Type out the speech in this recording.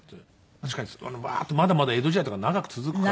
確かにバーッとまだまだ江戸時代とか長く続くから。